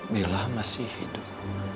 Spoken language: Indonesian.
bella masih hidup